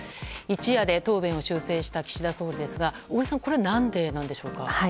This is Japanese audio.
一夜で答弁を修正した岸田総理ですが小栗さんこれは何ででしょうか？